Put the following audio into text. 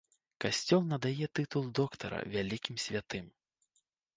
Касцёл надае тытул доктара вялікім святым.